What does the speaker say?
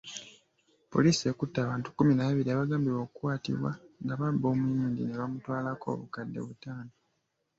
Poliisi ekutte abantu kkumi na babiri abagambibwa okukwatibwa nga babba omuyindi ne bamutwalako obukadde butaano.